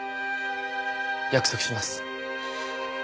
約束します。